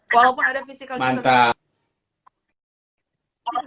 walaupun ada physical distancing